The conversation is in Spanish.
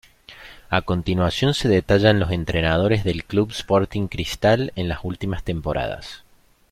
A continuación se detallan los entrenadores del Club Sporting Cristal en las últimas temporadas.